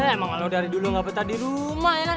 emang lo dari dulu gak betah di rumah ya kan